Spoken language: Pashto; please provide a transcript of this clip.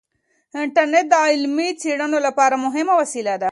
انټرنیټ د علمي څیړنو لپاره مهمه وسیله ده.